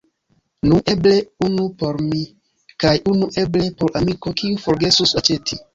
Nu, eble unu por mi, kaj unu eble por amiko kiu forgesus aĉeti.